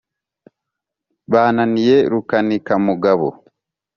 bananiye rukanikamugabo